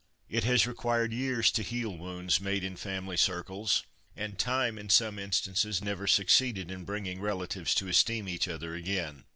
It has required years to heal wounds made in family circles, and time in some instances never succeeded in bringing relatives to esteem each other again.